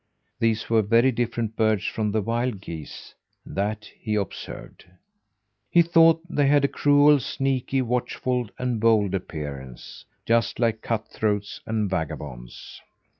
These were very different birds from the wild geese that he observed. He thought they had a cruel, sneaky, watchful and bold appearance, just like cut throats and vagabonds.